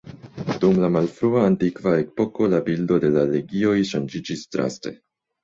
Dum la malfrua antikva epoko la bildo de la legioj ŝanĝiĝis draste.